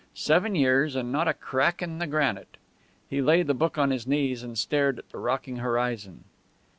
Seven years and not a crack in the granite! He laid the book on his knees and stared at the rocking horizon.